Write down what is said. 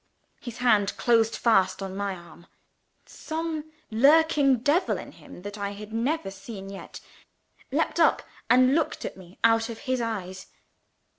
His hand closed fast on my arm. Some lurking devil in him that I had never seen yet, leapt up and looked at me out of his eyes.